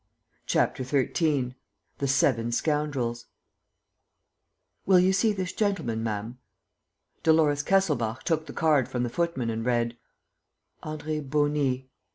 ." CHAPTER XIII THE SEVEN SCOUNDRELS "Will you see this gentleman, ma'am?" Dolores Kesselbach took the card from the footman and read: "André Beauny. .